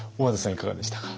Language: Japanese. いかがでしたか？